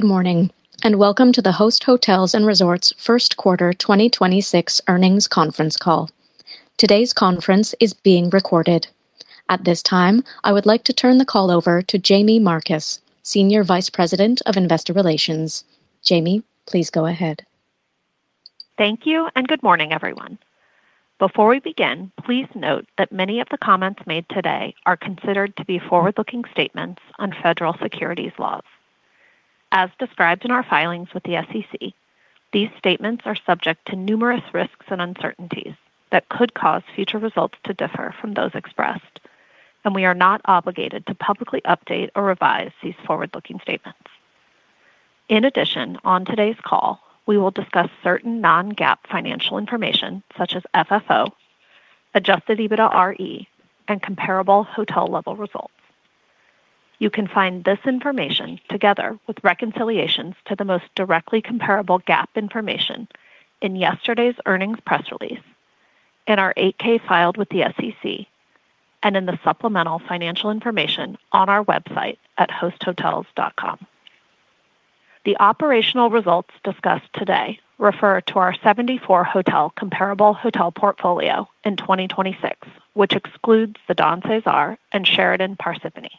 Good morning. Welcome to the Host Hotels & Resorts first quarter 2026 earnings conference call. Today's conference is being recorded. At this time, I would like to turn the call over to Jaime Marcus, Senior Vice President of Investor Relations. Jaime, please go ahead. Thank you and good morning, everyone. Before we begin, please note that many of the comments made today are considered to be forward-looking statements on federal securities laws. As described in our filings with the SEC, these statements are subject to numerous risks and uncertainties that could cause future results to differ from those expressed. We are not obligated to publicly update or revise these forward-looking statements. In addition, on today's call, we will discuss certain non-GAAP financial information such as FFO, adjusted EBITDAre, and comparable hotel-level results. You can find this information together with reconciliations to the most directly comparable GAAP information in yesterday's earnings press release, in our 8-K filed with the SEC, and in the supplemental financial information on our website at hosthotels.com. The operational results discussed today refer to our 74 hotel comparable hotel portfolio in 2026, which excludes The Don CeSar and Sheraton Parsippany.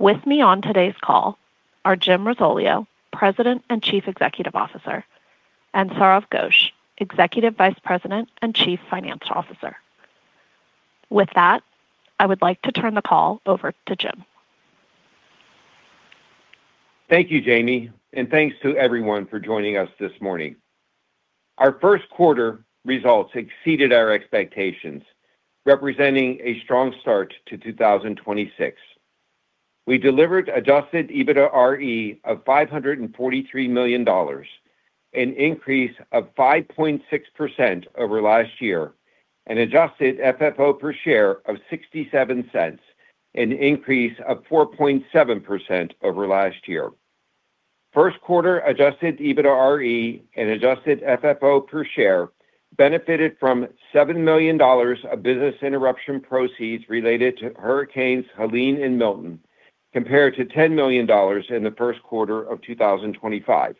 With me on today's call are Jim Risoleo, President and Chief Executive Officer, and Sourav Ghosh, Executive Vice President and Chief Financial Officer. With that, I would like to turn the call over to Jim. Thank you, Jaime, and thanks to everyone for joining us this morning. Our first quarter results exceeded our expectations, representing a strong start to 2026. We delivered adjusted EBITDAre of $543 million, an increase of 5.6% over last year, and adjusted FFO per share of $0.67, an increase of 4.7% over last year. First quarter adjusted EBITDAre and adjusted FFO per share benefited from $7 million of business interruption proceeds related to Hurricanes Helene and Milton, compared to $10 million in the first quarter of 2025.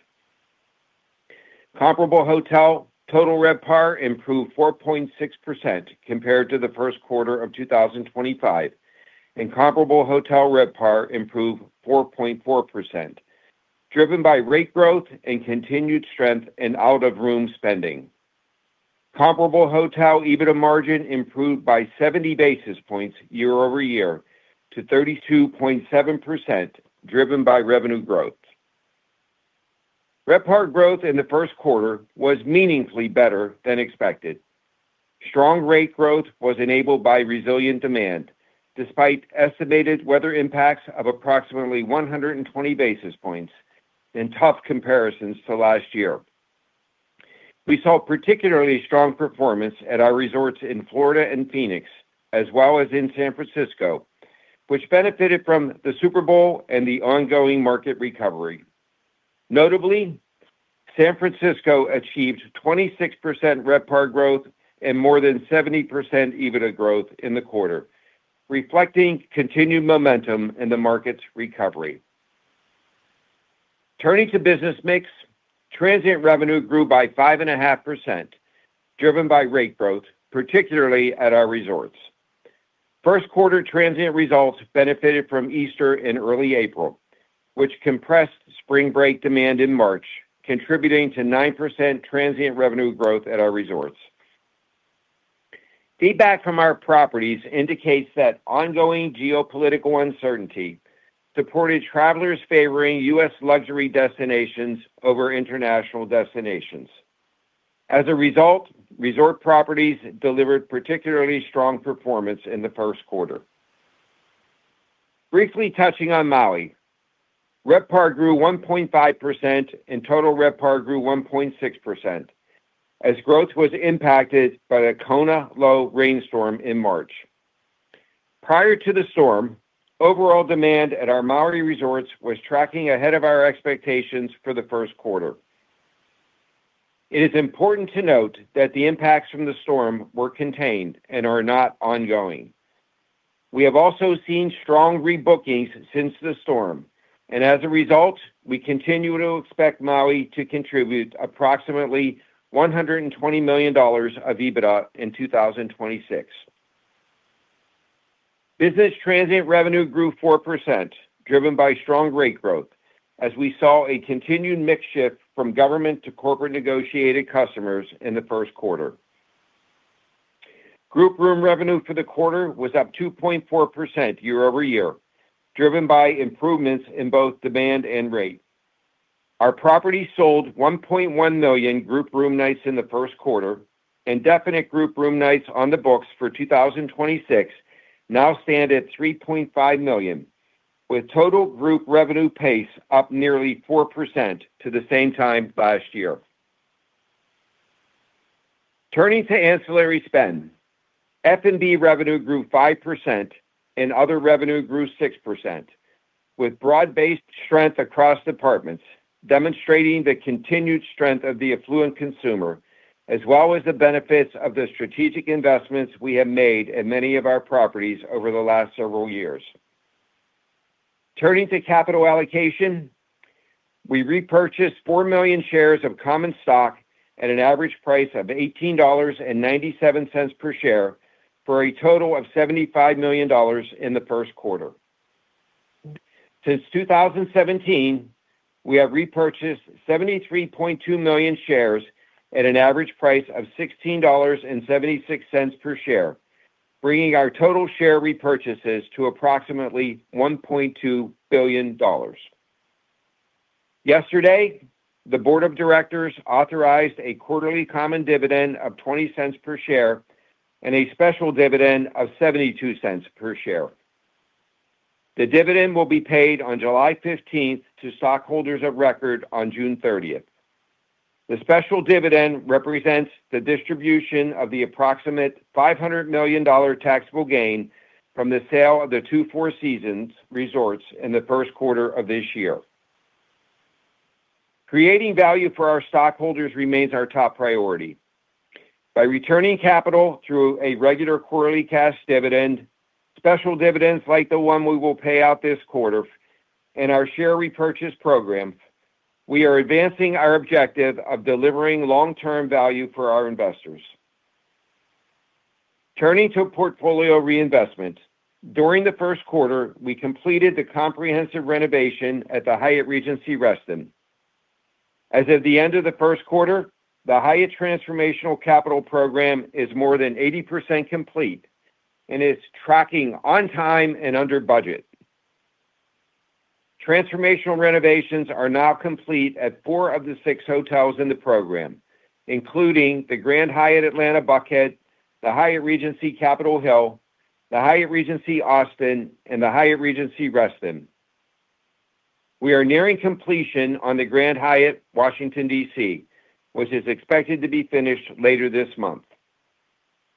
Comparable hotel total RevPAR improved 4.6% compared to the first quarter of 2025, and comparable hotel RevPAR improved 4.4%, driven by rate growth and continued strength in out-of-room spending. Comparable hotel EBITDA margin improved by 70 basis points year-over-year to 32.7%, driven by revenue growth. RevPAR growth in the first quarter was meaningfully better than expected. Strong rate growth was enabled by resilient demand, despite estimated weather impacts of approximately 120 basis points and tough comparisons to last year. We saw particularly strong performance at our resorts in Florida and Phoenix, as well as in San Francisco, which benefited from the Super Bowl and the ongoing market recovery. Notably, San Francisco achieved 26% RevPAR growth and more than 70% EBITDA growth in the quarter, reflecting continued momentum in the market's recovery. Turning to business mix, transient revenue grew by 5.5%, driven by rate growth, particularly at our resorts. First quarter transient results benefited from Easter in early April, which compressed spring break demand in March, contributing to 9% transient revenue growth at our resorts. Feedback from our properties indicates that ongoing geopolitical uncertainty supported travelers favoring U.S. luxury destinations over international destinations. As a result, resort properties delivered particularly strong performance in the first quarter. Briefly touching on Maui. RevPAR grew 1.5%, and total RevPAR grew 1.6%, as growth was impacted by the Kona low rainstorm in March. Prior to the storm, overall demand at our Maui resorts was tracking ahead of our expectations for the first quarter. It is important to note that the impacts from the storm were contained and are not ongoing. We have also seen strong rebookings since the storm, as a result, we continue to expect Maui to contribute approximately $120 million of EBITDA in 2026. Business transient revenue grew 4%, driven by strong rate growth, as we saw a continued mix shift from government to corporate negotiated customers in the first quarter. Group room revenue for the quarter was up 2.4% year-over-year, driven by improvements in both demand and rate. Our property sold 1.1 million group room nights in the first quarter, definite group room nights on the books for 2026 now stand at 3.5 million, with total group revenue pace up nearly 4% to the same time last year. Turning to ancillary spend, F&B revenue grew 5% and other revenue grew 6%, with broad-based strength across departments, demonstrating the continued strength of the affluent consumer as well as the benefits of the strategic investments we have made in many of our properties over the last several years. Turning to capital allocation, we repurchased 4 million shares of common stock at an average price of $18.97 per share for a total of $75 million in the 1st quarter. Since 2017, we have repurchased 73.2 million shares at an average price of $16.76 per share, bringing our total share repurchases to approximately $1.2 billion. Yesterday, the board of directors authorized a quarterly common dividend of $0.20 per share and a special dividend of $0.72 per share. The dividend will be paid on July 15th to stockholders of record on June 30th. The special dividend represents the distribution of the approximate $500 million taxable gain from the sale of the two Four Seasons resorts in the first quarter of this year. Creating value for our stockholders remains our top priority. By returning capital through a regular quarterly cash dividend, special dividends like the one we will pay out this quarter, and our share repurchase program, we are advancing our objective of delivering long-term value for our investors. Turning to portfolio reinvestment, during the first quarter, we completed the comprehensive renovation at the Hyatt Regency Reston. As of the end of the first quarter, the Hyatt Transformational Capital Program is more than 80% complete and is tracking on time and under budget. Transformational Renovations are now complete at four of the six hotels in the program, including the Grand Hyatt Atlanta Buckhead, the Hyatt Regency Capitol Hill, the Hyatt Regency Austin, and the Hyatt Regency Reston. We are nearing completion on the Grand Hyatt Washington, D.C., which is expected to be finished later this month.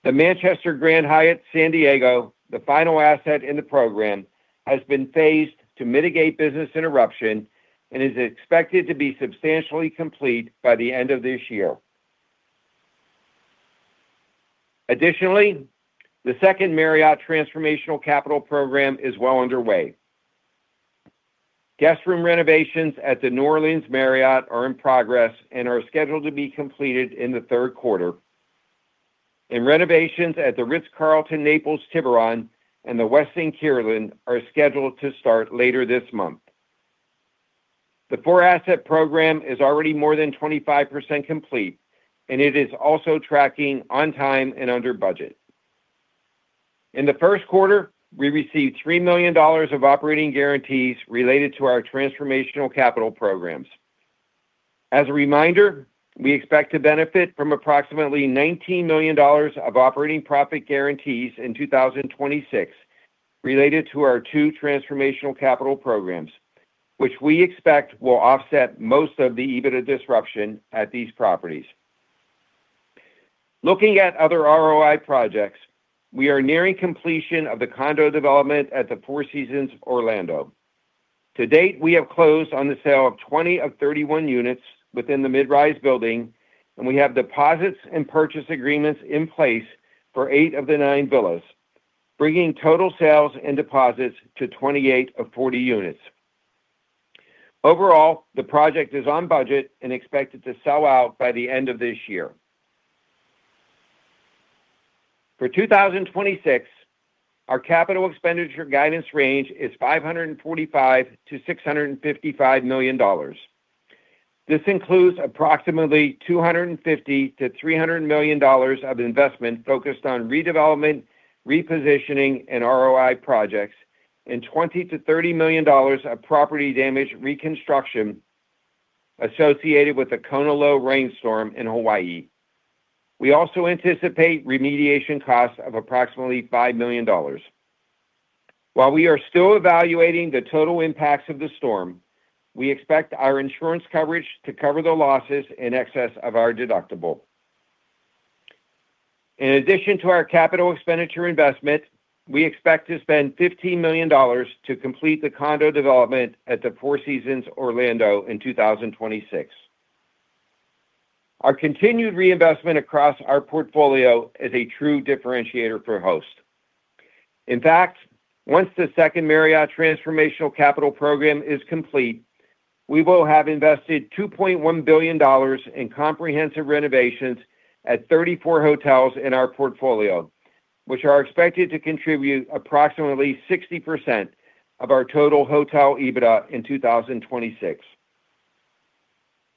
The Manchester Grand Hyatt San Diego, the final asset in the program, has been phased to mitigate business interruption and is expected to be substantially complete by the end of this year. Additionally, the second Marriott Transformational Capital Program is well underway. Guest room renovations at the New Orleans Marriott are in progress and are scheduled to be completed in the third quarter. Renovations at The Ritz-Carlton Naples, Tiburón and the Westin Kierland are scheduled to start later this month. The four-asset program is already more than 25% complete, and it is also tracking on time and under budget. In the first quarter, we received $3 million of operating guarantees related to our Transformational Capital Programs. As a reminder, we expect to benefit from approximately $19 million of operating profit guarantees in 2026 related to our two Transformational Capital Programs, which we expect will offset most of the EBITDA disruption at these properties. Looking at other ROI projects, we are nearing completion of the condo development at the Four Seasons Orlando. To date, we have closed on the sale of 20 of 31 units within the mid-rise building, and we have deposits and purchase agreements in place for eight of the nine villas, bringing total sales and deposits to 28 of 40 units. Overall, the project is on budget and expected to sell out by the end of this year. For 2026, our capital expenditure guidance range is $545 million to $655 million. This includes approximately $250 million to $300 million of investment focused on redevelopment, repositioning, and ROI projects, and $20 million to $30 million of property damage reconstruction associated with the Kona low rainstorm in Hawaii. We also anticipate remediation costs of approximately $5 million. While we are still evaluating the total impacts of the storm, we expect our insurance coverage to cover the losses in excess of our deductible. In addition to our capital expenditure investment, we expect to spend $15 million to complete the condo development at the Four Seasons Orlando in 2026. Our continued reinvestment across our portfolio is a true differentiator for Host. In fact, once the second Marriott Transformational Capital Program is complete, we will have invested $2.1 billion in comprehensive renovations at 34 hotels in our portfolio, which are expected to contribute approximately 60% of our total hotel EBITDA in 2026.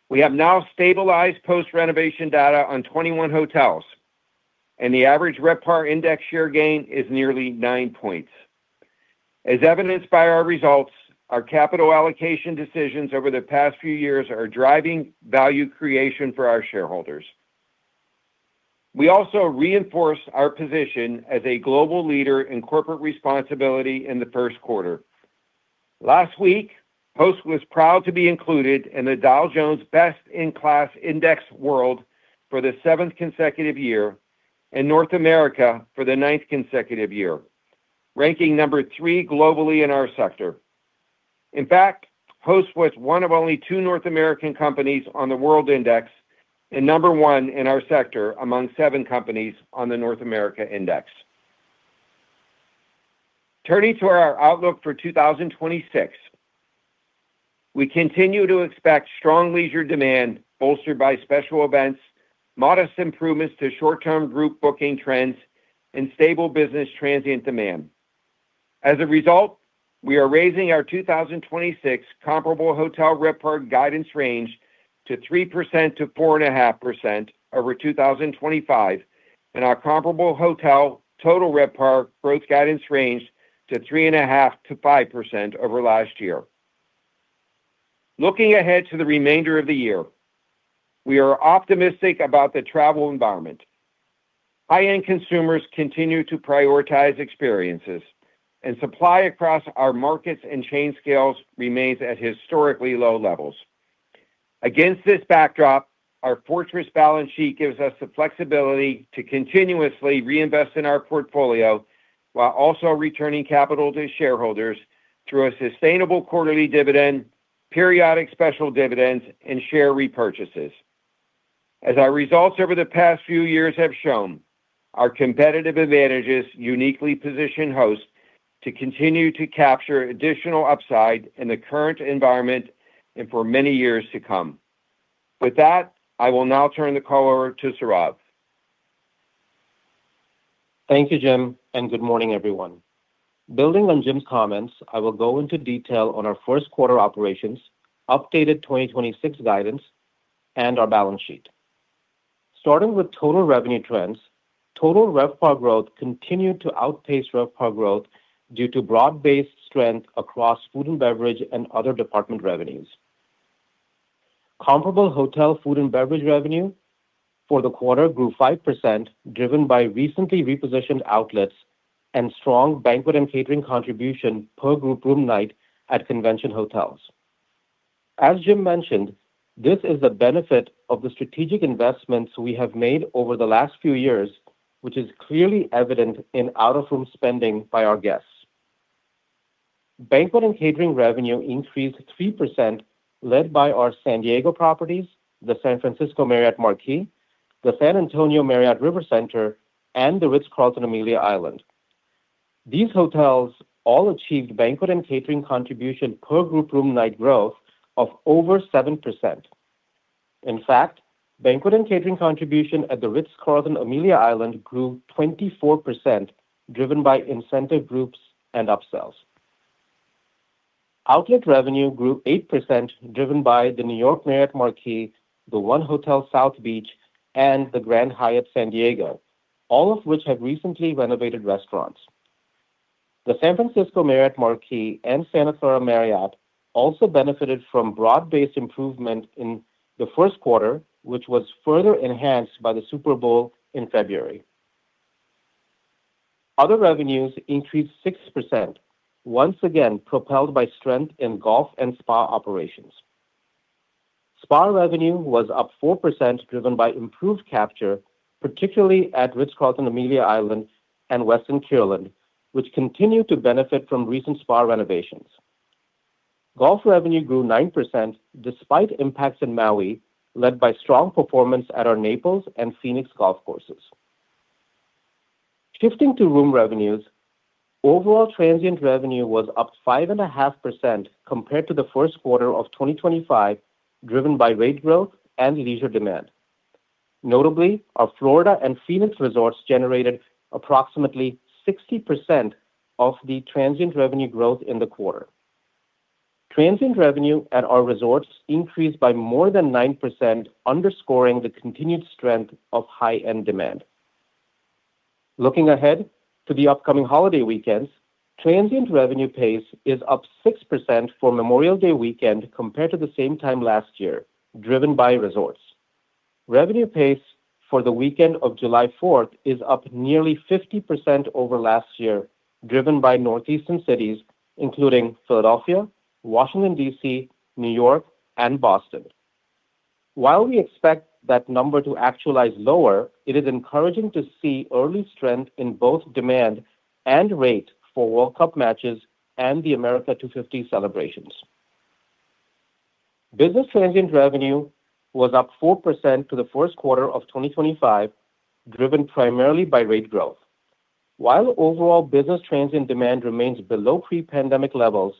We have now stabilized post-renovation data on 21 hotels, and the average RevPAR index year gain is nearly 9 points. As evidenced by our results, our capital allocation decisions over the past few years are driving value creation for our shareholders. We also reinforced our position as a global leader in corporate responsibility in the first quarter. Last week, Host was proud to be included in the Dow Jones Sustainability World Index for the 7th consecutive year and North America for the 9th consecutive year, ranking number three globally in our sector. In fact, Host was one of only two North American companies on the World Index. Number one in our sector among seven companies on the North America index. Turning to our outlook for 2026. We continue to expect strong leisure demand bolstered by special events, modest improvements to short-term group booking trends and stable business transient demand. As a result, we are raising our 2026 comparable hotel RevPAR guidance range to 3%-4.5% over 2025, and our comparable hotel total RevPAR growth guidance range to 3.5%-5% over last year. Looking ahead to the remainder of the year, we are optimistic about the travel environment. High-end consumers continue to prioritize experiences, and supply across our markets and chain scales remains at historically low levels. Against this backdrop, our fortress balance sheet gives us the flexibility to continuously reinvest in our portfolio while also returning capital to shareholders through a sustainable quarterly dividend, periodic special dividends and share repurchases. As our results over the past few years have shown, our competitive advantages uniquely position Host to continue to capture additional upside in the current environment and for many years to come. With that, I will now turn the call over to Sourav. Thank you, Jim. Good morning, everyone. Building on Jim's comments, I will go into detail on our first quarter operations, updated 2026 guidance and our balance sheet. Starting with total revenue trends, total RevPAR growth continued to outpace RevPAR growth due to broad-based strength across food and beverage and other department revenues. Comparable hotel food and beverage revenue for the quarter grew 5%, driven by recently repositioned outlets and strong banquet and catering contribution per group room night at convention hotels. As Jim mentioned, this is the benefit of the strategic investments we have made over the last few years, which is clearly evident in out-of-room spending by our guests. Banquet and catering revenue increased 3%, led by our San Diego properties, the San Francisco Marriott Marquis, the San Antonio Marriott Rivercenter, and The Ritz-Carlton, Amelia Island. These hotels all achieved banquet and catering contribution per group room night growth of over 7%. In fact, banquet and catering contribution at The Ritz-Carlton, Amelia Island grew 24%, driven by incentive groups and upsells. Outlet revenue grew 8%, driven by the New York Marriott Marquis, the 1 Hotel South Beach, and the Grand Hyatt San Diego, all of which have recently renovated restaurants. The San Francisco Marriott Marquis and Santa Clara Marriott also benefited from broad-based improvement in the 1st quarter, which was further enhanced by the Super Bowl in February. Other revenues increased 6%, once again propelled by strength in golf and spa operations. Spa revenue was up 4% driven by improved capture, particularly at The Ritz-Carlton, Amelia Island and Westin Kierland, which continued to benefit from recent spa renovations. Golf revenue grew 9% despite impacts in Maui, led by strong performance at our Naples and Phoenix golf courses. Shifting to room revenues, overall transient revenue was up 5.5% compared to the first quarter of 2025, driven by rate growth and leisure demand. Notably, our Florida and Phoenix resorts generated approximately 60% of the transient revenue growth in the quarter. Transient revenue at our resorts increased by more than 9%, underscoring the continued strength of high-end demand. Looking ahead to the upcoming holiday weekends, transient revenue pace is up 6% for Memorial Day weekend compared to the same time last year, driven by resorts. Revenue pace for the weekend of July fourth is up nearly 50% over last year, driven by northeastern cities including Philadelphia, Washington, D.C., New York, and Boston. While we expect that number to actualize lower, it is encouraging to see early strength in both demand and rate for World Cup matches and the America 250 celebrations. Business transient revenue was up 4% to the first quarter of 2025, driven primarily by rate growth. While overall business transient demand remains below pre-pandemic levels,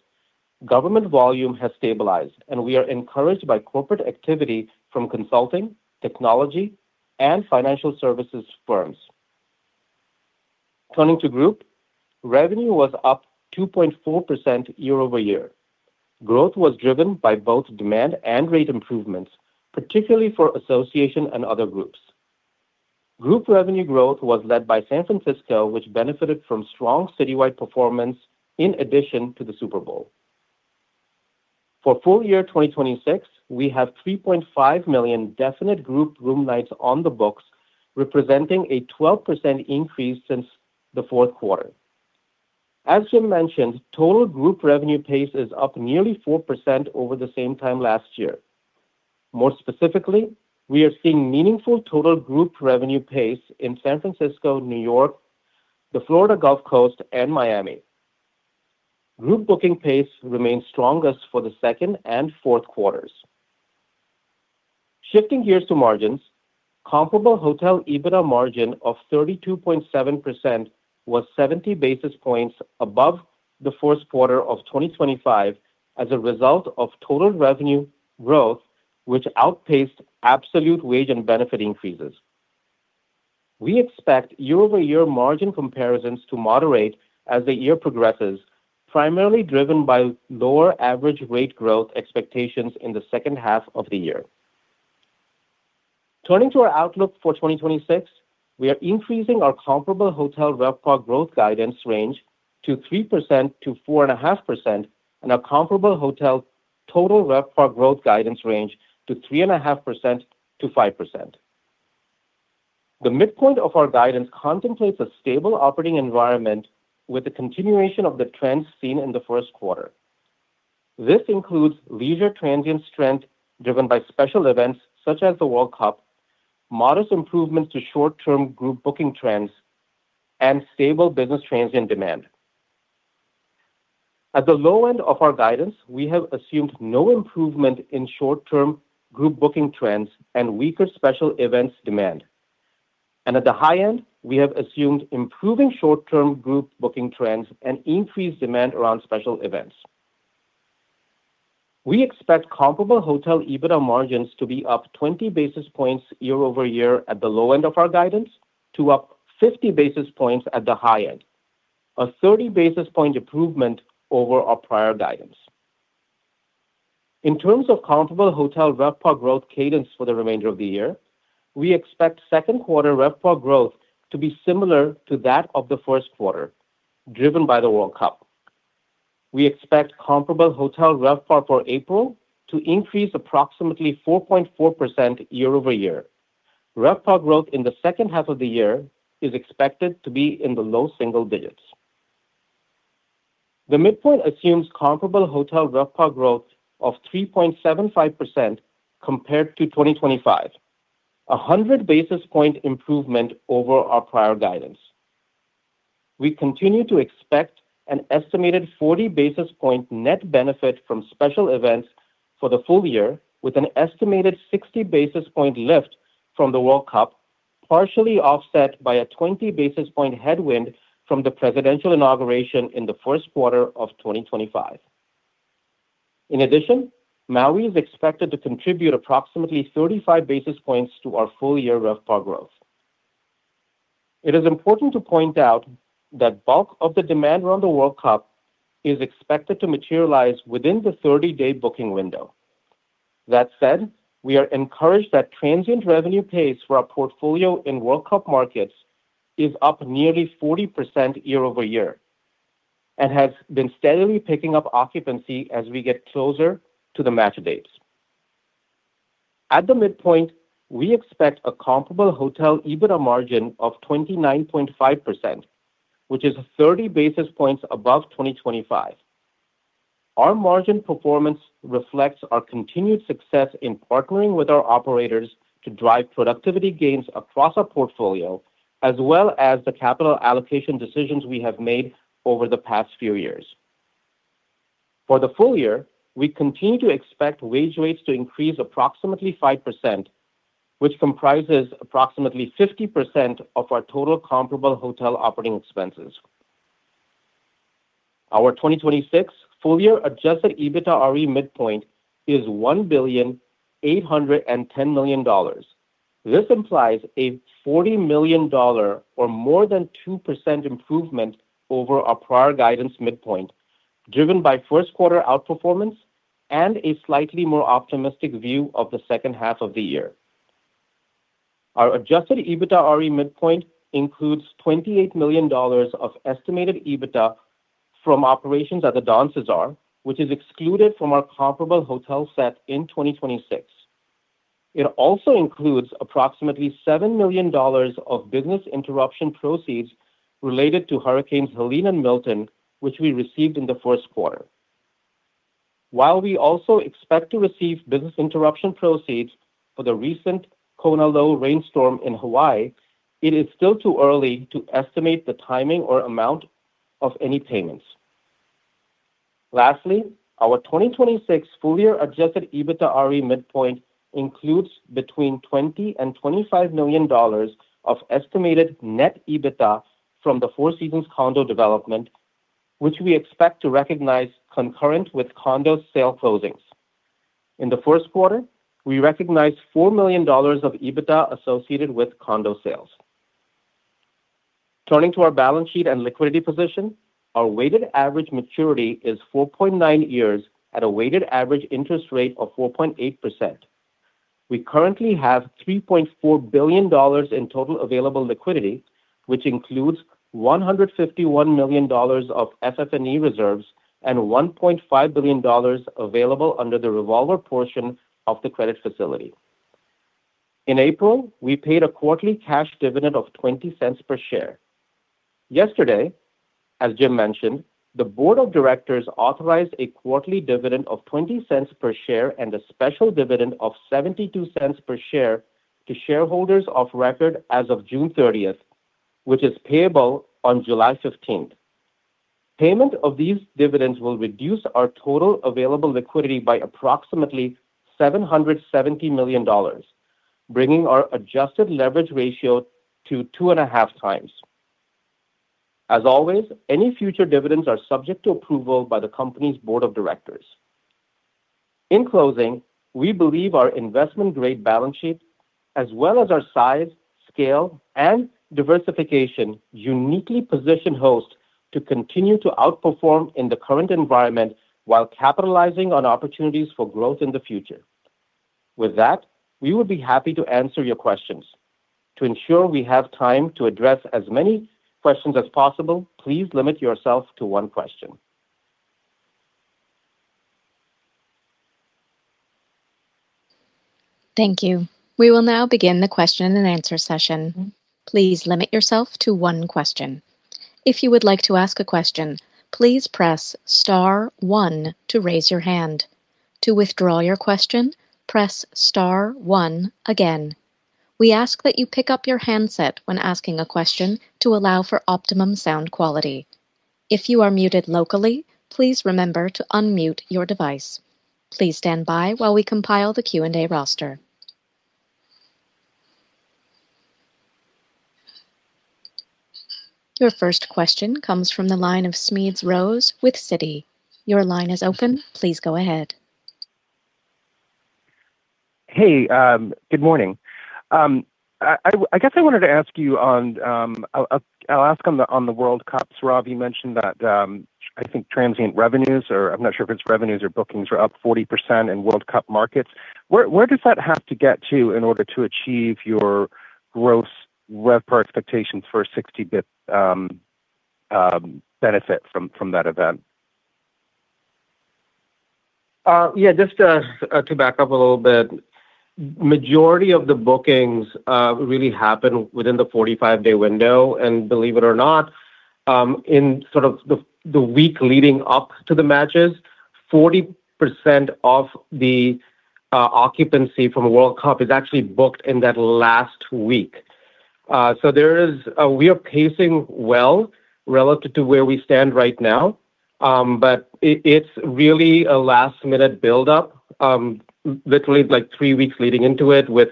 government volume has stabilized, and we are encouraged by corporate activity from consulting, technology, and financial services firms. Turning to group, revenue was up 2.4% year-over-year. Growth was driven by both demand and rate improvements, particularly for association and other groups. Group revenue growth was led by San Francisco, which benefited from strong citywide performance in addition to the Super Bowl. For full year 2026, we have 3.5 million definite group room nights on the books, representing a 12% increase since the fourth quarter. As Jim mentioned, total group revenue pace is up nearly 4% over the same time last year. More specifically, we are seeing meaningful total group revenue pace in San Francisco, New York, the Florida Gulf Coast, and Miami. Group booking pace remains strongest for the second and fourth quarters. Shifting gears to margins, comparable hotel EBITDA margin of 32.7% was 70 basis points above the first quarter of 2025 as a result of total revenue growth, which outpaced absolute wage and benefit increases. We expect year-over-year margin comparisons to moderate as the year progresses, primarily driven by lower average rate growth expectations in the second half of the year. Turning to our outlook for 2026, we are increasing our comparable hotel RevPAR growth guidance range to 3%-4.5% and our comparable hotel total RevPAR growth guidance range to 3.5%-5%. The midpoint of our guidance contemplates a stable operating environment with the continuation of the trends seen in the first quarter. This includes leisure transient strength driven by special events such as the World Cup, modest improvements to short-term group booking trends, and stable business transient demand. At the low end of our guidance, we have assumed no improvement in short-term group booking trends and weaker special events demand. At the high end, we have assumed improving short-term group booking trends and increased demand around special events. We expect comparable hotel EBITDA margins to be up 20 basis points year-over-year at the low end of our guidance to up 50 basis points at the high end, a 30 basis point improvement over our prior guidance. In terms of comparable hotel RevPAR growth cadence for the remainder of the year, we expect second quarter RevPAR growth to be similar to that of the first quarter, driven by the World Cup. We expect comparable hotel RevPAR for April to increase approximately 4.4% year-over-year. RevPAR growth in the second half of the year is expected to be in the low single digits. The midpoint assumes comparable hotel RevPAR growth of 3.75% compared to 2025, a 100 basis point improvement over our prior guidance. We continue to expect an estimated 40 basis point net benefit from special events for the full year, with an estimated 60 basis point lift from the World Cup, partially offset by a 20 basis point headwind from the presidential inauguration in the first quarter of 2025. In addition, Maui is expected to contribute approximately 35 basis points to our full-year RevPAR growth. It is important to point out that bulk of the demand around the World Cup is expected to materialize within the 30-day booking window. That said, we are encouraged that transient revenue pace for our portfolio in World Cup markets is up nearly 40% year-over-year and has been steadily picking up occupancy as we get closer to the match dates. At the midpoint, we expect a comparable hotel EBITDA margin of 29.5%, which is 30 basis points above 2025. Our margin performance reflects our continued success in partnering with our operators to drive productivity gains across our portfolio, as well as the capital allocation decisions we have made over the past few years. For the full year, we continue to expect wage rates to increase approximately 5%, which comprises approximately 50% of our total comparable hotel operating expenses. Our 2026 full year adjusted EBITDAre midpoint is $1,810 million. This implies a $40 million or more than 2% improvement over our prior guidance midpoint, driven by first quarter outperformance and a slightly more optimistic view of the second half of the year. Our adjusted EBITDAre midpoint includes $28 million of estimated EBITDA from operations at The Don CeSar, which is excluded from our comparable hotel set in 2026. It also includes approximately $7 million of business interruption proceeds related to Hurricanes Helene and Milton, which we received in the first quarter. We also expect to receive business interruption proceeds for the recent Kona low rainstorm in Hawaii, it is still too early to estimate the timing or amount of any payments. Lastly, our 2026 full year adjusted EBITDARE midpoint includes between $20 million-$25 million of estimated net EBITDA from the Four Seasons condo development, which we expect to recognize concurrent with condo sale closings. In the first quarter, we recognized $4 million of EBITDA associated with condo sales. Turning to our balance sheet and liquidity position, our weighted average maturity is four point nine years at a weighted average interest rate of 4.8%. We currently have $3.4 billion in total available liquidity, which includes $151 million of FF&E reserves and $1.5 billion available under the revolver portion of the credit facility. In April, we paid a quarterly cash dividend of $0.20 per share. Yesterday, as Jim mentioned, the board of directors authorized a quarterly dividend of $0.20 per share and a special dividend of $0.72 per share to shareholders of record as of June 30th, which is payable on July 15th. Payment of these dividends will reduce our total available liquidity by approximately $770 million, bringing our adjusted leverage ratio to 2.5 times. As always, any future dividends are subject to approval by the company's board of directors. In closing, we believe our investment-grade balance sheet as well as our size, scale, and diversification uniquely position Host to continue to outperform in the current environment while capitalizing on opportunities for growth in the future. With that, we would be happy to answer your questions. To ensure we have time to address as many questions as possible, please limit yourself to one question. Thank you. We will now begin the question and answer session. Please limit yourself to one question. If you would like to ask a question, please press star one to raise your hand. To withdraw your question, press star one again. We ask that you pick up your handset when asking a question to allow for optimum sound quality. If you are muted locally, please remember to unmute your device. Please stand by while we compile the Q&A roster. Your first question comes from the line of Smedes Rose with Citi. Your line is open. Please go ahead. Hey, good morning. I guess I wanted to ask you on, I'll ask on the World Cups. Sourav, you mentioned that, I think transient revenues or I am not sure if it is revenues or bookings are up 40% in World Cup markets. Where does that have to get to in order to achieve your gross RevPAR expectations for a 60 basis points benefit from that event? Yeah, just to back up a little bit. Majority of the bookings, really happen within the 45-day window. Believe it or not, in sort of the week leading up to the matches, 40% of the occupancy from a World Cup is actually booked in that last week. We are pacing well relative to where we stand right now. It's really a last-minute build-up, literally like three weeks leading into it with,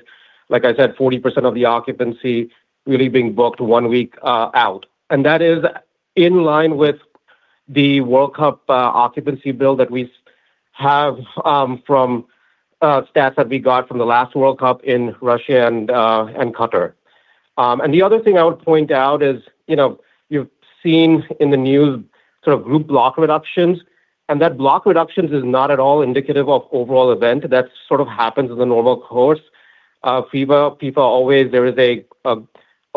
like I said, 40% of the occupancy really being booked one week, out. That is in line with the World Cup, occupancy build that we have, from, stats that we got from the last World Cup in Russia and Qatar. And the other thing I would point out is, you know, you've seen in the news sort of group block reductions, and that block reductions is not at all indicative of overall event. That sort of happens in the normal course. FIFA always there is a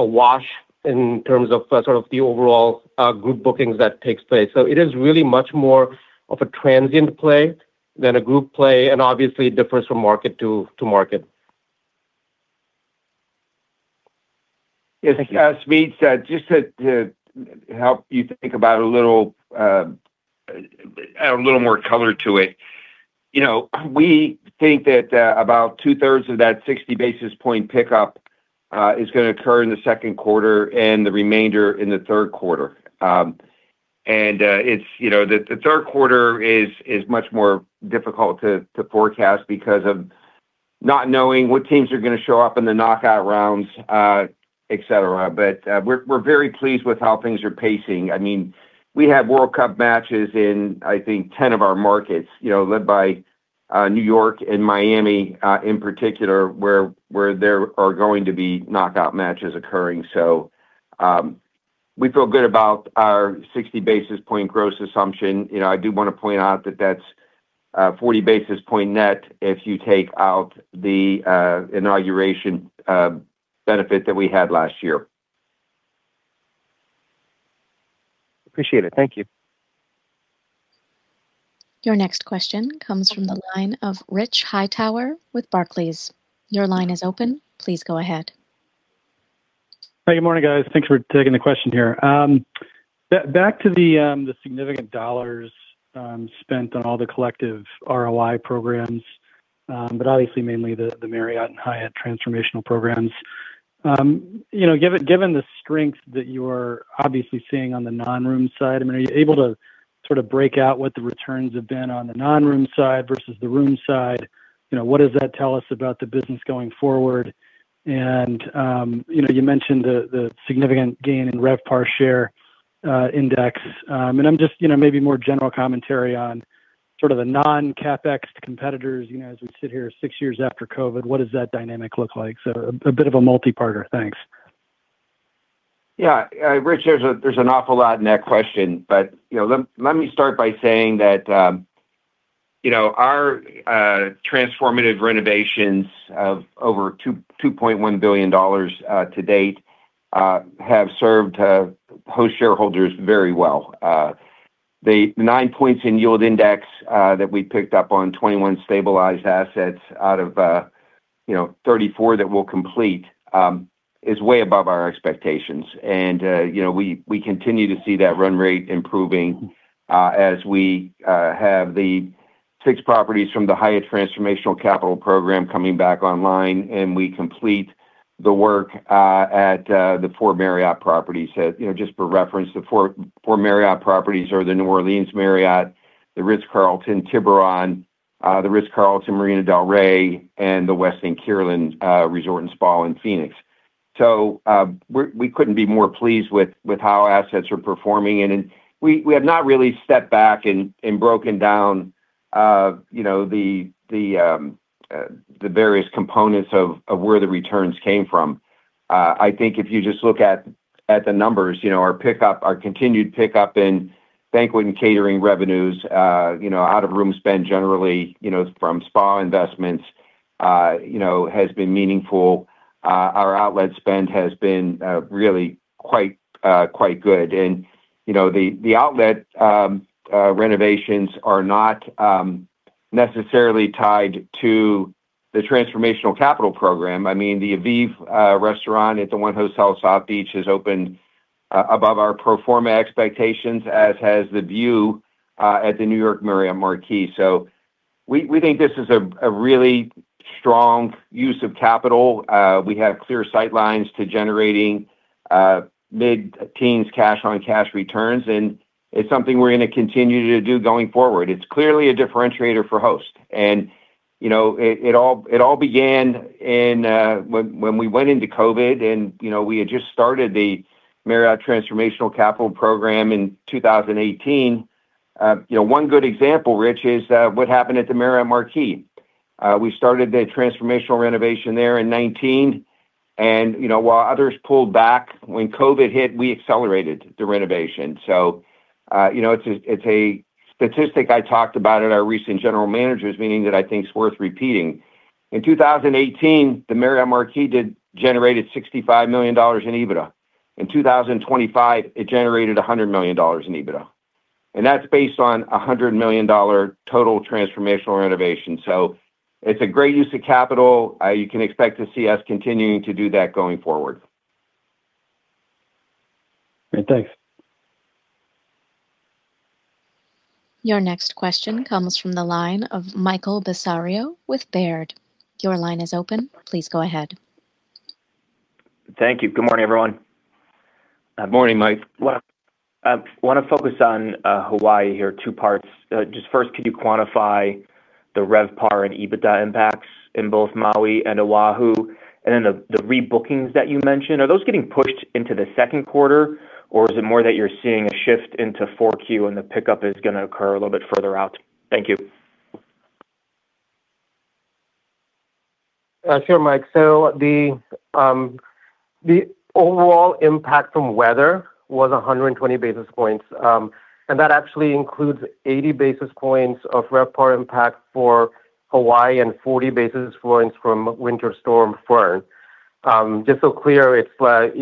wash in terms of sort of the overall group bookings that takes place. It is really much more of a transient play than a group play and obviously differs from market to market. Yes. Thank you. Smedes, just to help you think about a little, a little more color to it. You know, we think that about 2/3 of that 60 basis point pickup is going to occur in the second quarter and the remainder in the third quarter. It's, you know, the third quarter is much more difficult to forecast because of not knowing what teams are going to show up in the knockout rounds, et cetera. We're very pleased with how things are pacing. I mean, we have World Cup matches in, I think 10 of our markets, you know, led by New York and Miami in particular, where there are going to be knockout matches occurring. We feel good about our 60 basis point gross assumption. You know, I do wanna point out that that's, 40 basis point net if you take out the inauguration benefit that we had last year. Appreciate it. Thank you. Your next question comes from the line of Rich Hightower with Barclays. Your line is open. Please go ahead. Hey, good morning, guys. Thanks for taking the question here. Back to the significant dollars spent on all the collective ROI programs, but obviously mainly the Marriott and Hyatt transformational programs. You know, given the strength that you are obviously seeing on the non-room side, I mean, are you able to sort of break out what the returns have been on the non-room side versus the room side? You know, what does that tell us about the business going forward? You know, you mentioned the significant gain in RevPAR share index. I'm just, you know, maybe more general commentary on sort of the non-CapEx competitors, you know, as we sit here six years after COVID, what does that dynamic look like? A bit of a multi-parter. Thanks. Yeah. Rich, there's an awful lot in that question. You know, let me start by saying that you know our transformative renovations of over $2.1 billion to date have served Host shareholders very well. The nine points in yield index that we picked up on 21 stabilized assets out of 34 that we'll complete is way above our expectations. You know, we continue to see that run rate improving as we have the six properties from the Hyatt Transformational Capital Program coming back online and we complete the work at the four Marriott properties. you know, just for reference, the four Marriott properties are the New Orleans Marriott, the Ritz-Carlton Tiburon, the Ritz-Carlton Marina del Rey, and the Westin Kierland Resort & Spa in Phoenix. we couldn't be more pleased with how assets are performing. we have not really stepped back and broken down, you know, the various components of where the returns came from. I think if you just look at the numbers, you know, our continued pickup in banquet and catering revenues, you know, out of room spend generally, you know, from spa investments, you know, has been meaningful. our outlet spend has been really quite good. you know, the outlet renovations are not necessarily tied to the transformational capital program. I mean, the AVIV Restaurant at the 1 Hotel South Beach has opened above our pro forma expectations, as has The View at the New York Marriott Marquis. we think this is a really strong use of capital. we have clear sight lines to generating mid-teens cash on cash returns, and it's something we're gonna continue to do going forward. It's clearly a differentiator for Host. you know, it all began in when we went into COVID and you know, we had just started the Marriott Transformational Capital Program in 2018. you know, one good example, Rich, is what happened at the Marriott Marquis. we started the transformational renovation there in 19. You know, while others pulled back when COVID hit, we accelerated the renovation. You know, it's a statistic I talked about at our recent general managers meeting that I think is worth repeating. In 2018, the Marriott Marquis generated $65 million in EBITDA. In 2025, it generated $100 million in EBITDA, and that's based on a $100 million total transformational renovation. It's a great use of capital. You can expect to see us continuing to do that going forward. Great. Thanks. Your next question comes from the line of Michael Bellisario with Baird. Your line is open. Please go ahead. Thank you. Good morning, everyone. Good morning, Mike. Well, I want to focus on Hawaii here, two parts. Just first, could you quantify the RevPAR and EBITDA impacts in both Maui and Oahu? The rebookings that you mentioned, are those getting pushed into the second quarter, or is it more that you're seeing a shift into 4Q and the pickup is gonna occur a little bit further out? Thank you. sure, Mike. The overall impact from weather was 120 basis points. That actually includes 80 basis points of RevPAR impact for Hawaii and 40 basis points from Winter Storm Fern. Just so clear, it's the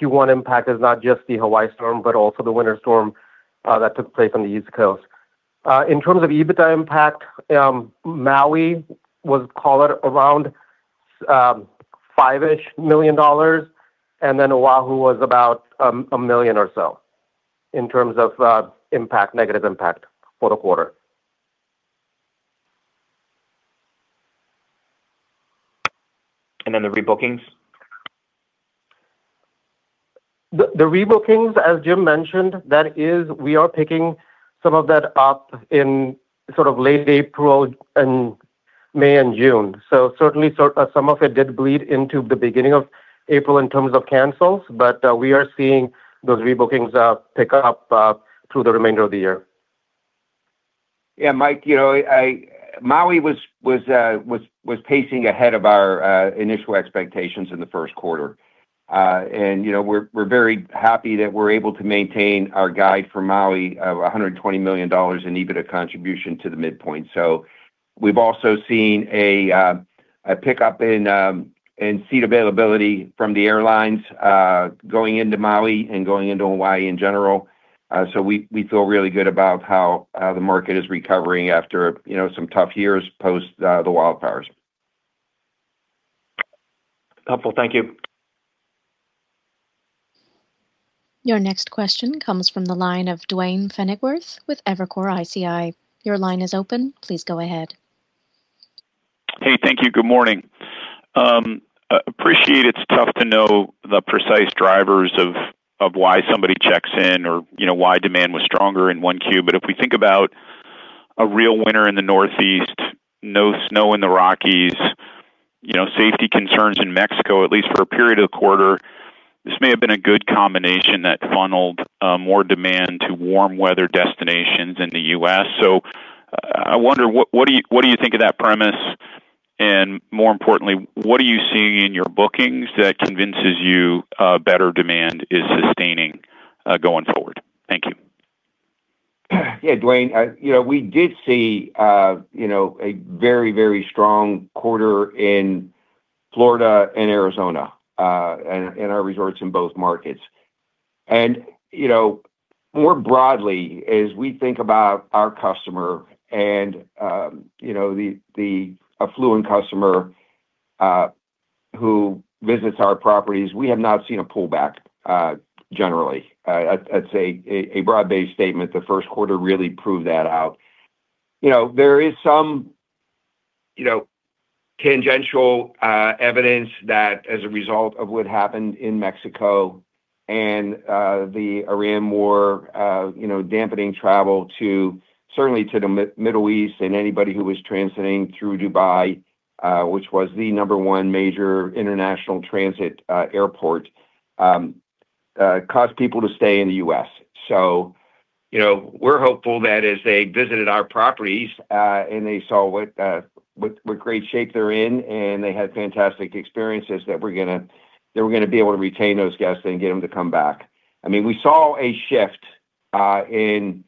Q1 impact is not just the Hawaii storm, but also the winter storm that took place on the East Coast. In terms of EBITDA impact, Maui was call it around $5-ish million, and then Oahu was about $1 million or so in terms of impact, negative impact for the quarter. the rebookings? The rebookings, as Jim mentioned, that is, we are picking some of that up in sort of late April and May and June. Certainly some of it did bleed into the beginning of April in terms of cancels, but we are seeing those rebookings pick up through the remainder of the year. Yeah, Mike, you know, Maui was pacing ahead of our initial expectations in the first quarter. You know, we're very happy that we're able to maintain our guide for Maui of $120 million in EBITDA contribution to the midpoint. We've also seen a pickup in seat availability from the airlines going into Maui and going into Hawaii in general. We feel really good about how the market is recovering after, you know, some tough years post the wildfires. Helpful. Thank you. Your next question comes from the line of Duane Pfennigwerth with Evercore ISI. Your line is open. Please go ahead. Hey. Thank you. Good morning. I appreciate it's tough to know the precise drivers of why somebody checks in or, you know, why demand was stronger in 1Q. If we think about a real winter in the Northeast, no snow in the Rockies, you know, safety concerns in Mexico, at least for a period of quarter, this may have been a good combination that funneled more demand to warm weather destinations in the U.S. I wonder, what do you think of that premise? More importantly, what are you seeing in your bookings that convinces you better demand is sustaining going forward? Thank you. Yeah, Duane. You know, we did see, you know, a very, very strong quarter in Florida and Arizona, and in our resorts in both markets. You know, more broadly, as we think about our customer and, you know, the affluent customer who visits our properties, we have not seen a pullback, generally. I'd say a broad-based statement, the first quarter really proved that out. You know, there is some, you know, tangential evidence that as a result of what happened in Mexico and the Iran war, you know, dampening travel to certainly to the Middle East and anybody who was transiting through Dubai, which was the number one major international transit airport, caused people to stay in the U.S. You know, we're hopeful that as they visited our properties, and they saw what great shape they're in, and they had fantastic experiences that we're gonna be able to retain those guests and get them to come back. I mean, we saw a shift in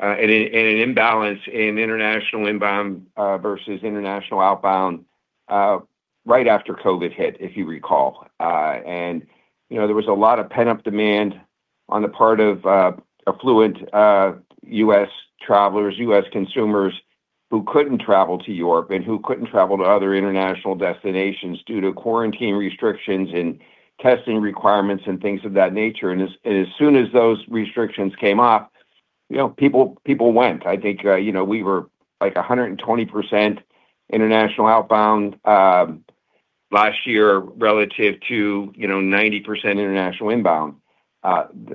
an imbalance in international inbound versus international outbound right after COVID hit, if you recall. You know, there was a lot of pent-up demand on the part of affluent U.S. travelers, U.S. consumers who couldn't travel to Europe and who couldn't travel to other international destinations due to quarantine restrictions and testing requirements and things of that nature. As soon as those restrictions came up, you know, people went. I think, you know, we were like 120% international outbound last year relative to, you know, 90% international inbound.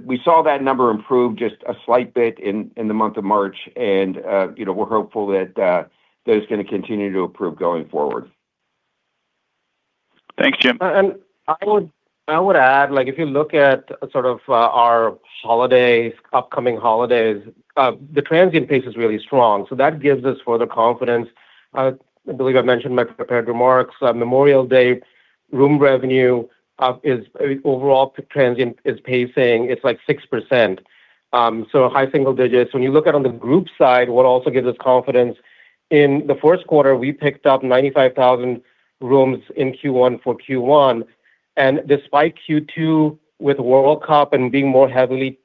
We saw that number improve just a slight bit in the month of March, and, you know, we're hopeful that that is gonna continue to improve going forward. Thanks, Jim. I would add, like, if you look at sort of our holidays, upcoming holidays, the transient pace is really strong. That gives us further confidence. I believe I mentioned in my prepared remarks, Memorial Day room revenue, overall transient is pacing, it's like 6%, so high single digits. When you look at on the group side, what also gives us confidence, in the first quarter, we picked up 95,000 rooms in Q1 for Q1. Despite Q2 with World Cup and being more heavily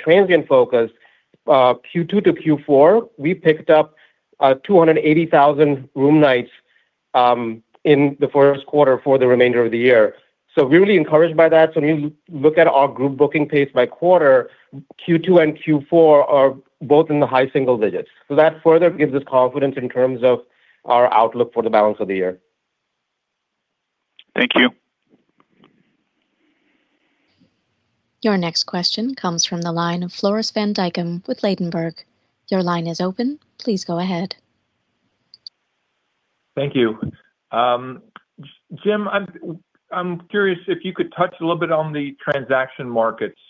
transient focused, Q2-Q4, we picked up 280,000 room nights in the first quarter for the remainder of the year. We're really encouraged by that. When you look at our group booking pace by quarter, Q2 and Q4 are both in the high single digits. That further gives us confidence in terms of our outlook for the balance of the year. Thank you. Your next question comes from the line of Floris van Dijkum with Ladenburg. Your line is open. Please go ahead. Thank you. Jim, I'm curious if you could touch a little bit on the transaction markets.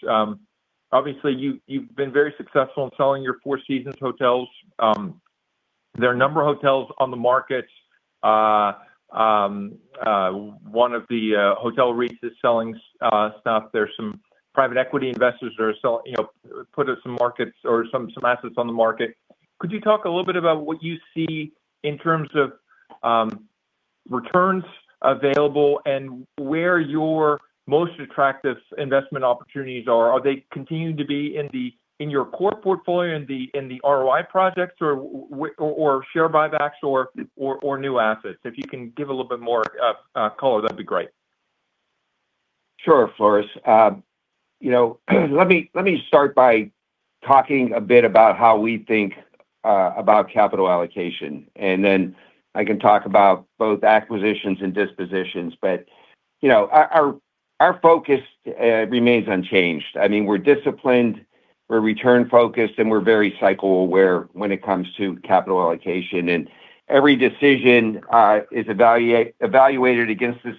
Obviously you've been very successful in selling your Four Seasons hotels. There are a number of hotels on the market. One of the hotel REITs is selling stuff. There's some private equity investors that are, you know, put some markets or some assets on the market. Could you talk a little bit about what you see in terms of returns available and where your most attractive investment opportunities are? Are they continuing to be in your core portfolio, in the ROI projects or share buybacks or new assets? If you can give a little bit more color, that'd be great. Sure, Floris. You know, let me start by talking a bit about how we think about capital allocation, and then I can talk about both acquisitions and dispositions. You know, our focus remains unchanged. I mean, we're disciplined, we're return-focused, and we're very cycle aware when it comes to capital allocation. Every decision is evaluated against the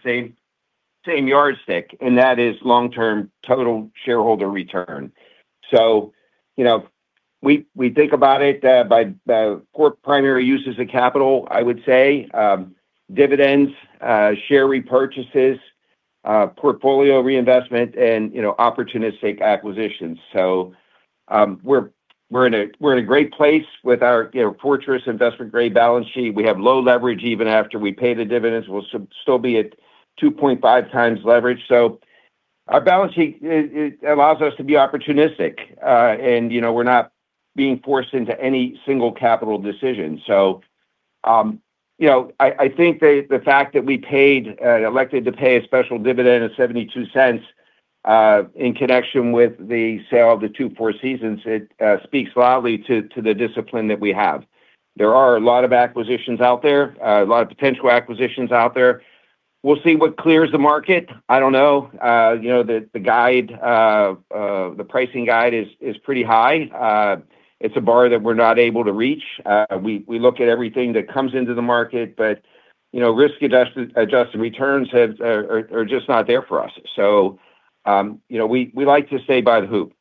same yardstick, and that is long-term total shareholder return. You know, we think about it by core primary uses of capital, I would say, dividends, share repurchases, portfolio reinvestment, and, you know, opportunistic acquisitions. We're in a great place with our, you know, fortress investment-grade balance sheet. We have low leverage even after we pay the dividends. We'll still be at 2.5 times leverage. Our balance sheet allows us to be opportunistic. You know, we're not being forced into any single capital decision. You know, I think the fact that we paid, elected to pay a special dividend of $0.72 in connection with the sale of the two four Seasons, it speaks loudly to the discipline that we have. There are a lot of acquisitions out there, a lot of potential acquisitions out there. We'll see what clears the market. I don't know. You know, the guide, the pricing guide is pretty high. It's a bar that we're not able to reach. We look at everything that comes into the market, but, you know, risk adjusted returns are just not there for us. You know, we like to say buy the hoop.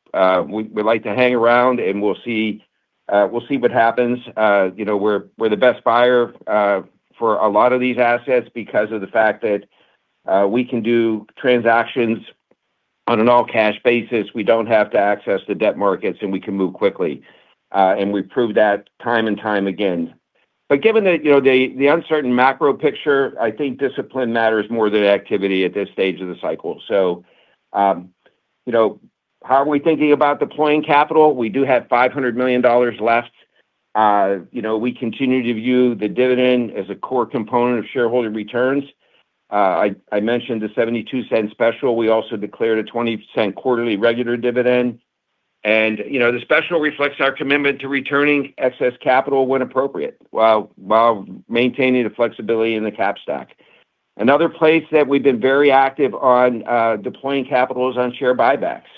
We, we like to hang around, and we'll see, we'll see what happens. You know, we're the best buyer for a lot of these assets because of the fact that we can do transactions on an all-cash basis. We don't have to access the debt markets, and we can move quickly. And we prove that time and time again. Given that, you know, the uncertain macro picture, I think discipline matters more than activity at this stage of the cycle. You know, how are we thinking about deploying capital? We do have $500 million left. You know, we continue to view the dividend as a core component of shareholder returns. I mentioned the $0.72 special. We also declared a $0.20 quarterly regular dividend. You know, the special reflects our commitment to returning excess capital when appropriate, while maintaining the flexibility in the cap stack. Another place that we've been very active on deploying capital is on share buybacks.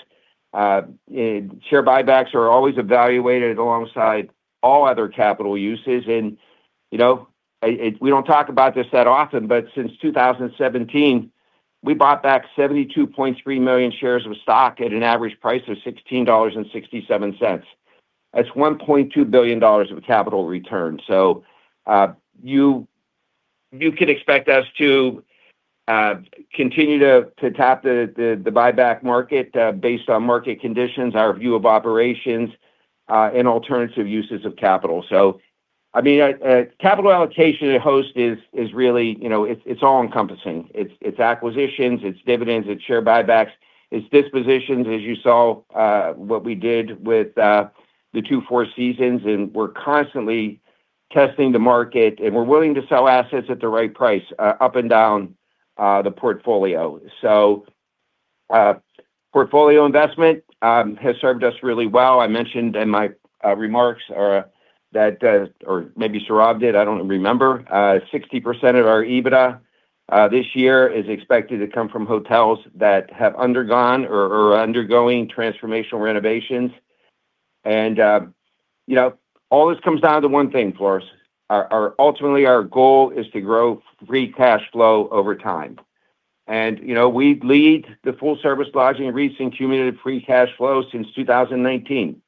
Share buybacks are always evaluated alongside all other capital uses. You know, we don't talk about this that often, but since 2017, we bought back 72.3 million shares of stock at an average price of $16.67. That's $1.2 billion of capital return. You could expect us to continue to tap the buyback market based on market conditions, our view of operations, and alternative uses of capital. I mean, capital allocation at Host is really, you know, it's all-encompassing. It's acquisitions, it's dividends, it's share buybacks, it's dispositions, as you saw what we did with the two Four Seasons, and we're constantly testing the market, and we're willing to sell assets at the right price up and down the portfolio. Portfolio investment has served us really well. I mentioned in my remarks, or that, or maybe Sourav did, I don't remember, 60% of our EBITDA this year is expected to come from hotels that have undergone or are undergoing transformational renovations. You know, all this comes down to one thing for us. Ultimately, our goal is to grow free cash flow over time. You know, we lead the full-service lodging in recent cumulative free cash flow since 2019.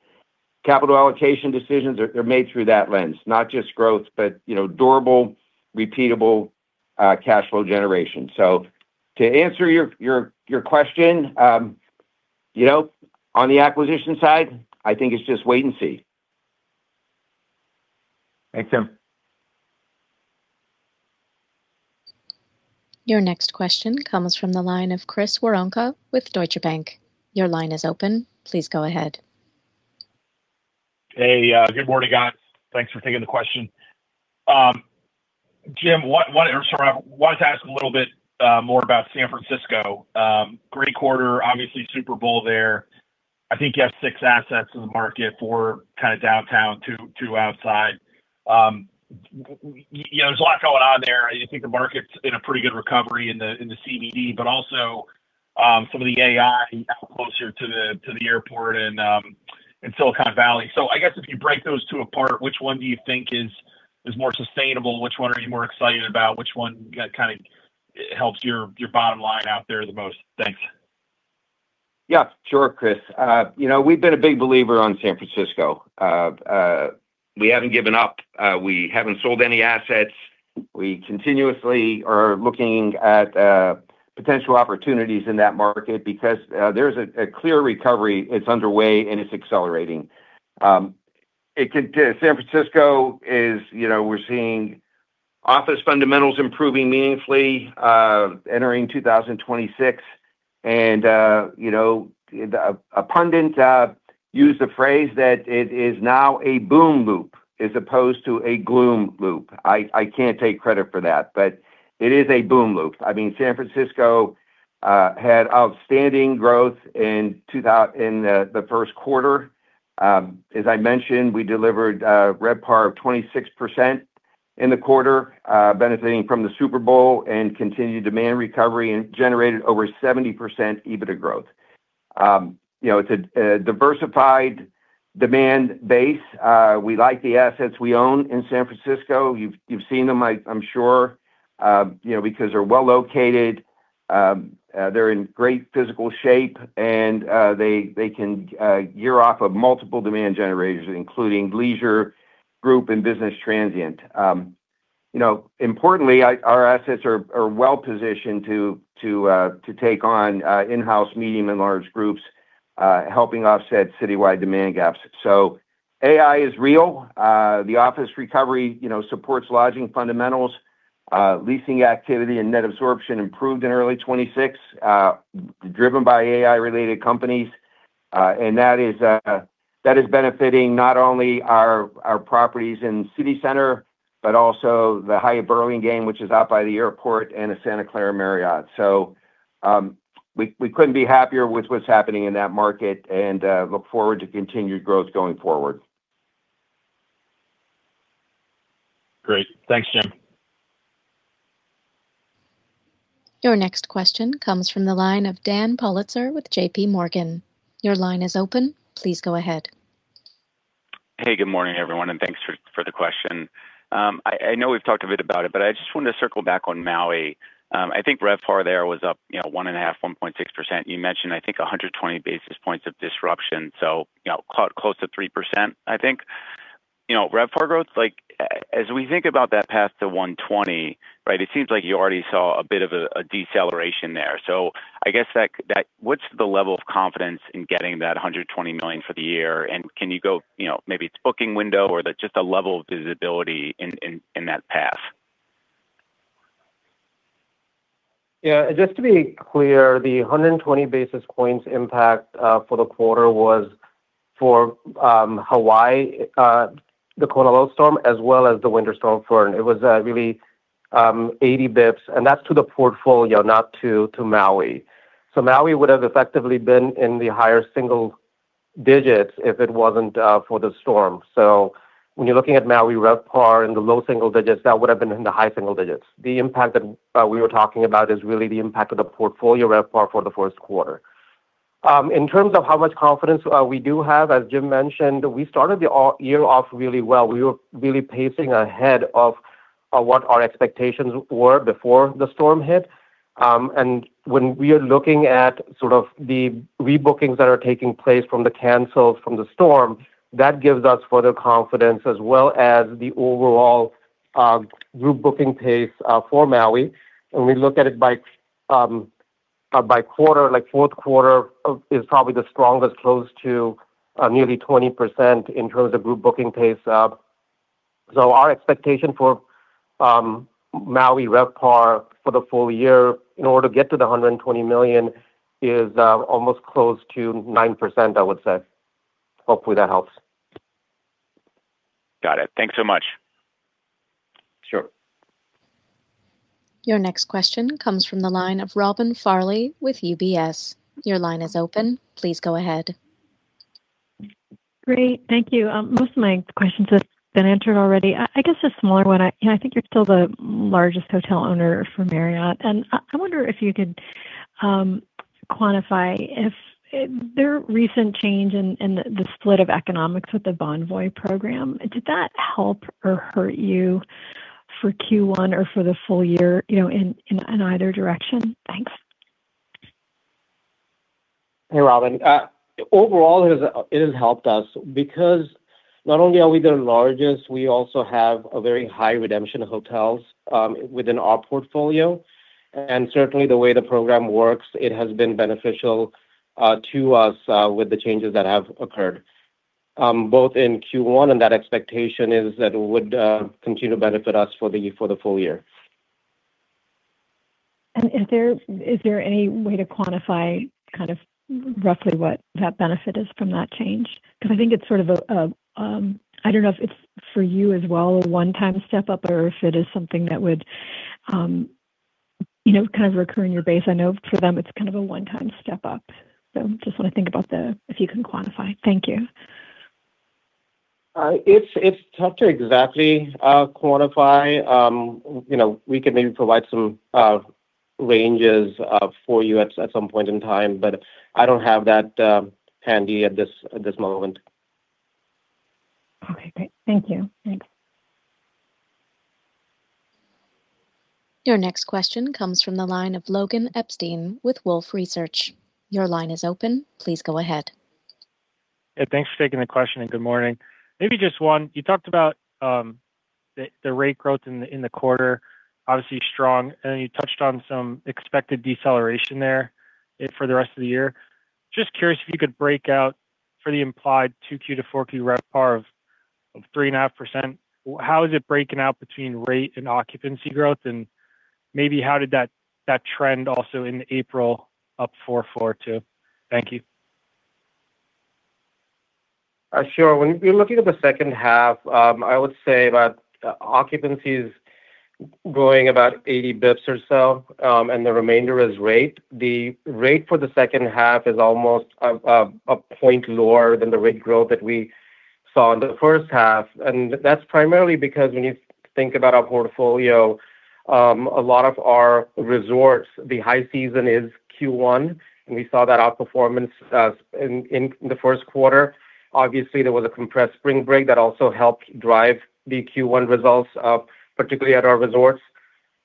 Capital allocation decisions are made through that lens, not just growth, but, you know, durable, repeatable, cash flow generation. To answer your question, you know, on the acquisition side, I think it's just wait and see. Thanks, Jim. Your next question comes from the line of Chris Woronka with Deutsche Bank. Your line is open. Please go ahead. Hey, good morning, guys. Thanks for taking the question. Jim, or Sourav, wanted to ask a little bit more about San Francisco. Great quarter, obviously Super Bowl there. I think you have six assets in the market for kinda downtown, two outside. You know, there's a lot going on there. I think the market's in a pretty good recovery in the CBD, also some of the AI out closer to the airport and Silicon Valley. I guess if you break those two apart, which one do you think is more sustainable? Which one are you more excited about? Which one kind of helps your bottom line out there the most? Thanks. Yeah, sure, Chris. You know, we've been a big believer on San Francisco. We haven't given up. We haven't sold any assets. We continuously are looking at potential opportunities in that market because there's a clear recovery that's underway, and it's accelerating. San Francisco is, you know, we're seeing office fundamentals improving meaningfully, entering 2026. You know, a pundit used the phrase that it is now a boom loop as opposed to a gloom loop. I can't take credit for that, but it is a boom loop. I mean, San Francisco had outstanding growth in the first quarter. As I mentioned, we delivered RevPAR of 26% in the quarter, benefiting from the Super Bowl and continued demand recovery, and generated over 70% EBITDA growth. You know, it's a diversified demand base. We like the assets we own in San Francisco. You've seen them, I'm sure, you know, because they're well located, they're in great physical shape, and they can gear off of multiple demand generators, including leisure, group, and business transient. You know, importantly, our assets are well positioned to take on in-house medium and large groups, helping offset citywide demand gaps. AI is real. The office recovery, you know, supports lodging fundamentals. Leasing activity and net absorption improved in early 2026, driven by AI-related companies. That is benefiting not only our properties in city center, but also the Hyatt Burlingame, which is out by the airport, and the Santa Clara Marriott. We couldn't be happier with what's happening in that market and look forward to continued growth going forward. Great. Thanks, Jim. Your next question comes from the line of Daniel Politzer with JPMorgan. Your line is open. Please go ahead. Hey, good morning, everyone, and thanks for the question. I know we've talked a bit about it, but I just wanted to circle back on Maui. I think RevPAR there was up, you know, 1.5, 1.6%. You mentioned, I think, 120 basis points of disruption, so, you know, close to 3%, I think. You know, RevPAR growth, like, as we think about that path to 120, right, it seems like you already saw a bit of a deceleration there. I guess what's the level of confidence in getting that $120 million for the year, and can you go, you know, maybe it's booking window or just a level of visibility in that path? Just to be clear, the 120 basis points impact for the quarter was for Hawaii, the Kona low storm as well as the winter storm. It was really 80 basis points, and that's to the portfolio, not to Maui. Maui would have effectively been in the higher single digits if it wasn't for the storm. When you're looking at Maui RevPAR in the low single digits, that would have been in the high single digits. The impact that we were talking about is really the impact of the portfolio RevPAR for the first quarter. In terms of how much confidence we do have, as Jim mentioned, we started the year off really well. We were really pacing ahead of what our expectations were before the storm hit. When we are looking at sort of the rebookings that are taking place from the cancels from the storm, that gives us further confidence as well as the overall group booking pace for Maui. When we look at it by quarter, like fourth quarter is probably the strongest, close to nearly 20% in terms of group booking pace. Our expectation for Maui RevPAR for the full year in order to get to the $120 million is almost close to 9%, I would say. Hopefully, that helps. Got it. Thanks so much. Sure. Your next question comes from the line of Robin Farley with UBS. Your line is open. Please go ahead. Great. Thank you. Most of my questions have been answered already. I guess a smaller one. You know, I think you're still the largest hotel owner for Marriott. I wonder if you could quantify if their recent change in the split of economics with the Bonvoy program, did that help or hurt you for Q1 or for the full year, you know, in either direction? Thanks. Hey, Robin. Overall it has helped us because not only are we their largest, we also have a very high redemption of hotels within our portfolio. Certainly the way the program works, it has been beneficial to us with the changes that have occurred both in Q1, and that expectation is that it would continue to benefit us for the full year. Is there any way to quantify kind of roughly what that benefit is from that change? I think it's sort of a I don't know if it's for you as well, a one-time step-up, or if it is something that would, you know, kind of recur in your base. I know for them it's kind of a one-time step-up. Just wanna think about if you can quantify. Thank you. It's tough to exactly quantify. You know, we can maybe provide some ranges for you at some point in time, but I don't have that handy at this moment. Okay, great. Thank you. Thanks. Your next question comes from the line of Logan Epstein with Wolfe Research. Your line is open. Please go ahead. Thanks for taking the question, and good morning. Maybe just one. You talked about the rate growth in the quarter, obviously strong, and then you touched on some expected deceleration there for the rest of the year. Just curious if you could break out for the implied 2Q to 4Q RevPAR of 3.5%, how is it breaking out between rate and occupancy growth? Maybe how did that trend also in April up 4.4% too? Thank you. Sure. When we're looking at the second half, I would say about occupancy is growing about 80 basis points or so, and the remainder is rate. The rate for the second half is almost a point lower than the rate growth that we saw in the first half. That's primarily because when you think about our portfolio, a lot of our resorts, the high season is Q1, and we saw that outperformance in the first quarter. Obviously, there was a compressed spring break that also helped drive the Q1 results, particularly at our resorts.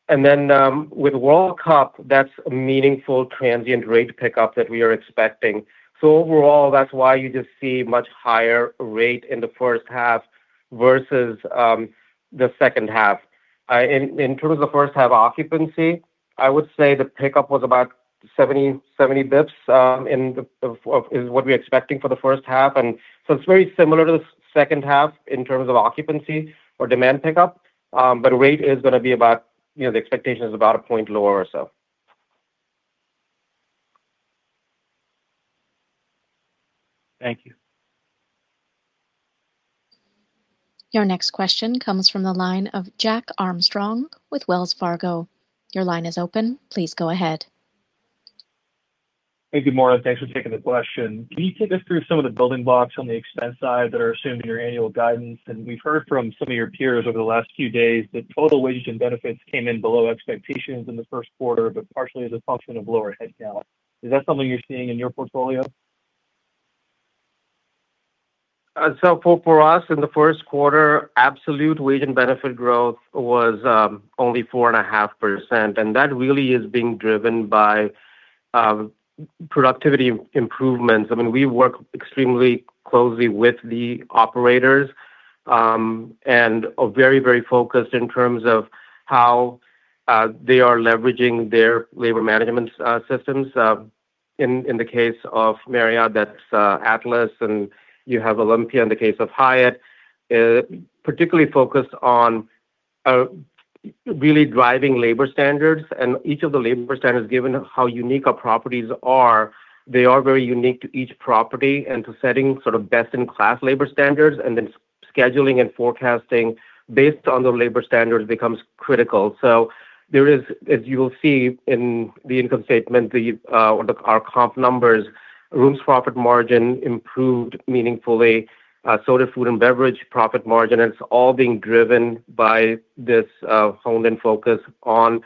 With World Cup, that's a meaningful transient rate pickup that we are expecting. Overall, that's why you just see much higher rate in the first half versus the second half. In terms of first half occupancy, I would say the pickup was about 70 basis points, is what we're expecting for the first half. It's very similar to the second half in terms of occupancy or demand pickup. Rate is gonna be about, you know, the expectation is about a point lower or so. Thank you. Your next question comes from the line of Jack Armstrong with Wells Fargo. Your line is open. Please go ahead. Hey, good morning. Thanks for taking the question. Can you take us through some of the building blocks on the expense side that are assumed in your annual guidance? We've heard from some of your peers over the last few days that total wage and benefits came in below expectations in the first quarter, but partially as a function of lower headcount. Is that something you're seeing in your portfolio? For us in the first quarter, absolute wage and benefit growth was only 4.5%, and that really is being driven by productivity improvements. I mean, we work extremely closely with the operators, and are very, very focused in terms of how they are leveraging their labor management systems, In the case of Marriott, that's Atlas, and you have Olympia in the case of Hyatt. Particularly focused on really driving labor standards. Each of the labor standards, given how unique our properties are, they are very unique to each property and to setting sort of best in class labor standards. Scheduling and forecasting based on the labor standards becomes critical. There is As you will see in the income statement, the or the our comp numbers, rooms profit margin improved meaningfully. Did food and beverage profit margin. It's all being driven by this honed in focus on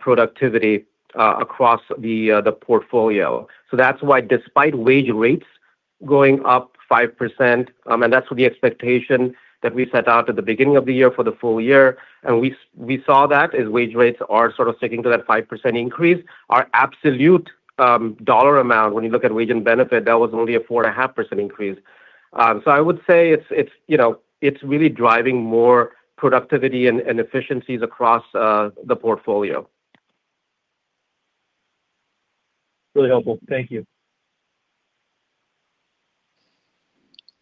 productivity across the portfolio. That's why despite wage rates going up 5%, and that's the expectation that we set out at the beginning of the year for the full year, and we saw that as wage rates are sort of sticking to that 5% increase. Our absolute dollar amount, when you look at wage and benefit, that was only a 4.5% increase. I would say it's, you know, it's really driving more productivity and efficiencies across the portfolio. Really helpful. Thank you.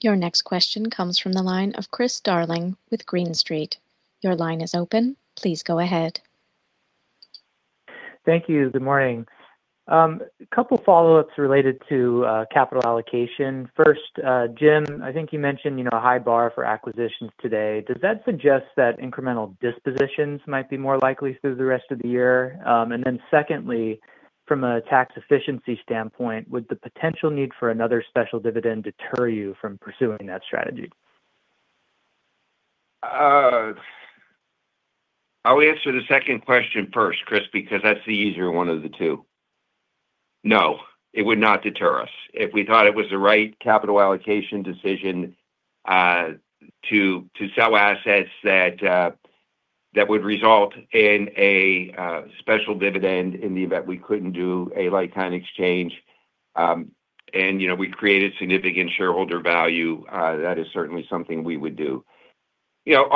Your next question comes from the line of Chris Darling with Green Street. Your line is open. Please go ahead. Thank you. Good morning. Couple follow-ups related to capital allocation. First, Jim, I think you mentioned, you know, a high bar for acquisitions today. Does that suggest that incremental dispositions might be more likely through the rest of the year? Secondly, from a tax efficiency standpoint, would the potential need for another special dividend deter you from pursuing that strategy? I'll answer the second question first, Chris, because that's the easier one of the two. No, it would not deter us. If we thought it was the right capital allocation decision, to sell assets that would result in a special dividend in the event we couldn't do a like-kind exchange, and, you know, we created significant shareholder value, that is certainly something we would do. You know,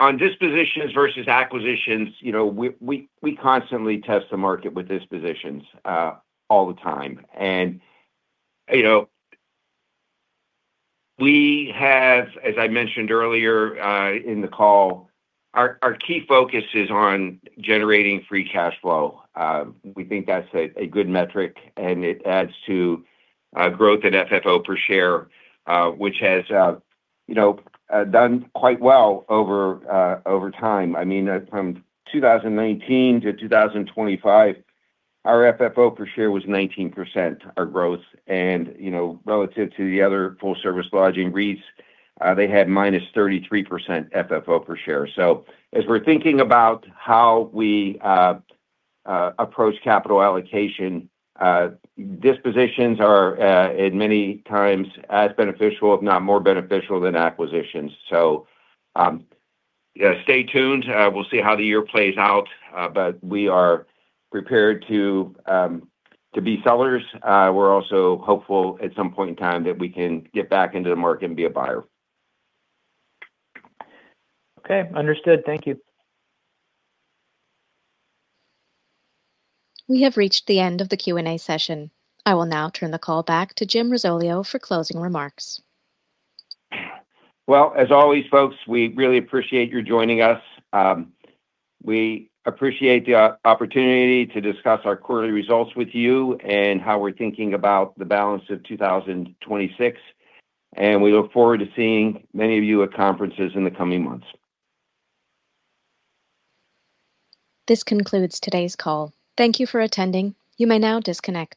on dispositions versus acquisitions, you know, we constantly test the market with dispositions all the time. You know, we have, as I mentioned earlier, in the call, our key focus is on generating free cash flow. We think that's a good metric, and it adds to growth in FFO per share, which has, you know, done quite well over time. I mean, from 2019 to 2025, our FFO per share was 19%, our growth. You know, relative to the other full service lodging REITs, they had -33% FFO per share. As we're thinking about how we approach capital allocation, dispositions are at many times as beneficial, if not more beneficial, than acquisitions. Stay tuned. We'll see how the year plays out, but we are prepared to be sellers. We're also hopeful at some point in time that we can get back into the market and be a buyer. Okay. Understood. Thank you. We have reached the end of the Q&A session. I will now turn the call back to Jim Risoleo for closing remarks. Well, as always, folks, we really appreciate you joining us. We appreciate the opportunity to discuss our quarterly results with you and how we're thinking about the balance of 2026, and we look forward to seeing many of you at conferences in the coming months. This concludes today's call. Thank you for attending. You may now disconnect